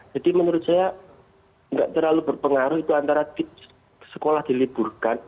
jadi menurut saya nggak terlalu berpengaruh itu antara sekolah diliburkan